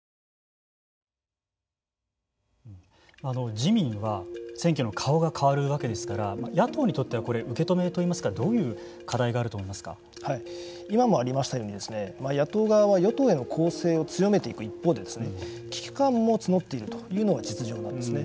自民は選挙の顔が替わるわけですから野党にとってはこれ受け止めといいますか今もありましたように野党側は与党への攻勢を強めていく一方で危機感も募っているというのが実情なんですね。